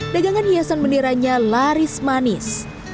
dagangan hiasan bendera nya laris manis